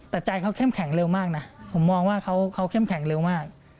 แต่ใจเขาเข้มแข็งเร็วมากนะผมมองว่าเขาเข้มแข็งเร็วมาก